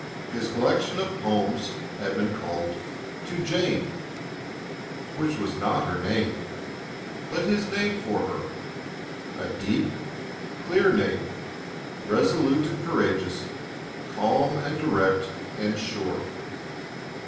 His collection of poems had been called "To Jane" which was not her name, but his name for her a deep, clear name, resolute and courageous, calm and direct and sure.